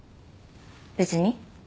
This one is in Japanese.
別に。